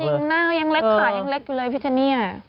จริงหน้ายังเล็กค่ะยังเล็กอันนี้ไว้